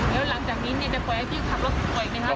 แล้วหลังจากนี้เนี่ยจะปล่อยให้พี่ขับรถป่วยอีกไหมครับ